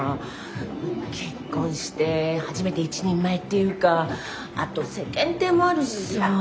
結婚して初めて一人前っていうかあと世間体もあるしさぁ。